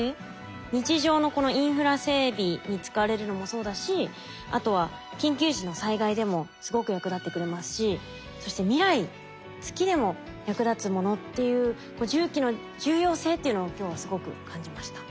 日常のこのインフラ整備に使われるのもそうだしあとは緊急時の災害でもすごく役立ってくれますしそして未来月でも役立つものっていう重機の重要性っていうのを今日はすごく感じました。